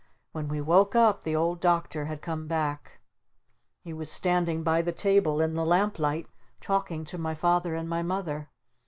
When we woke up the Old Doctor had come back. He was standing by the table in the lamplight talking to my Father and my Mother.